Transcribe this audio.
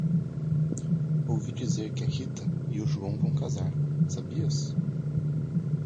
Ouvi dizer que a Rita e o João vão casar. Sabias?